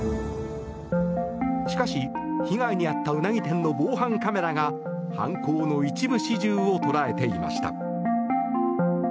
しかし、被害に遭ったウナギ店の防犯カメラが犯行の一部始終を捉えていました。